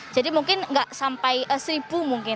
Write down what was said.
jadi mungkin gak sampai seribu mungkin